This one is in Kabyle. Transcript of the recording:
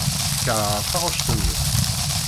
Keṛheɣ taɣect-nnes.